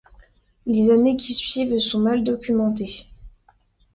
Les années qui suivent sont mal documentées.